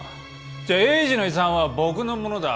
じゃあ栄治の遺産は僕のものだ。